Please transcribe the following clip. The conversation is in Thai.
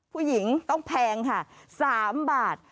ผู้หญิงต้องแพงค่ะ๓บาท